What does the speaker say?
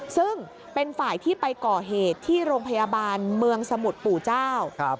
ซึ่งเป็นฝ่ายที่ไปก่อเหตุที่โรงพยาบาลเมืองสมุทรปู่เจ้า